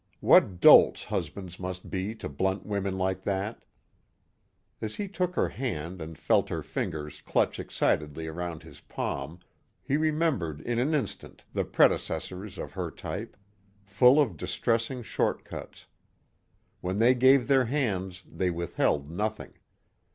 What dolts husbands must be to blunt women like that. As he took her hand and felt her fingers clutch excitedly around his palm he remembered in an instant the predecessors of her type. Full of distressing short cuts. When they gave their hands they withheld nothing.